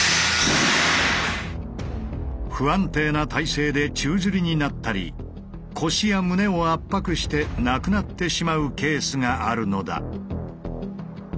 不安定な体勢で宙づりになったり腰や胸を圧迫して亡くなってしまうケースがあるのだ。